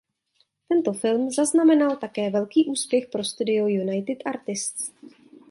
Tento film zaznamenal také velký úspěch pro studio United Artists.